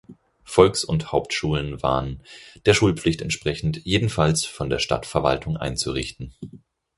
Volks- und Hauptschulen waren, der Schulpflicht entsprechend, jedenfalls von der Stadtverwaltung einzurichten.